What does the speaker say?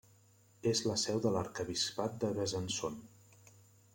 És la seu de l'Arquebisbat de Besançon.